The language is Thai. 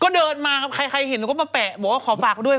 ก็เดินมาใครเห็นก็มาแปะบอกว่าขอฝากไปด้วย